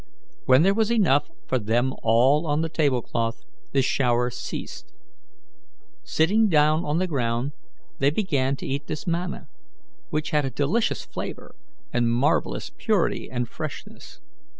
When there was enough for them all on the table cloth the shower ceased. Sitting down on the ground, they began to eat this manna, which had a delicious flavour and marvellous purity and freshness.